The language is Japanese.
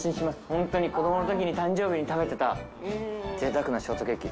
本当に子供のときに誕生日に食べてた、贅沢なショートケーキ。